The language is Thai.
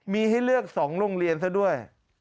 มีให้เลือก๒โรงเรียนซะด้วย